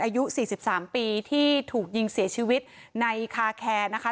อายุ๔๓ปีที่ถูกยิงเสียชีวิตในคาแคร์นะคะ